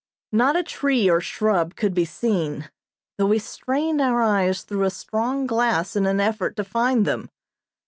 Not a tree or shrub could be seen, though we strained our eyes through a strong glass in an effort to find them.